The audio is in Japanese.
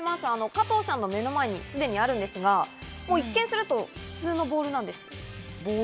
加藤さんの目の前にすでにあるんですが、一見すると普通のボールです。